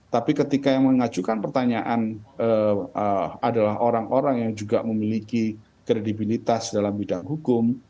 tapi ketika yang mengajukan pertanyaan adalah orang orang yang juga memiliki kredibilitas dalam bidang hukum